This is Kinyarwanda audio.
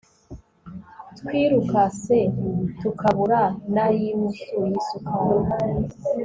twirukatse tukabura nayinusu y'isukari